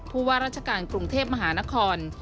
ว่าราชการกรุงเทพมหานคร